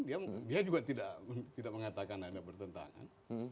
dia juga tidak mengatakan ada bertentangan